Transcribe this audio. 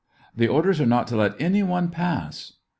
" The orders are not to let any one pass